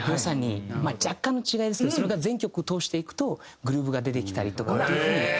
若干の違いですけどそれが全曲通していくとグルーヴが出てきたりとかっていう風に。